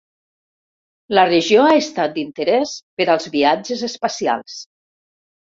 La regió ha estat d'interès per als viatges espacials.